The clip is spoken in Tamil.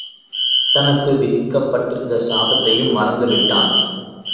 தனக்கு விதிக்கப்பட்டிருந்த சாபத்தையும் மறந்து விட்டான்.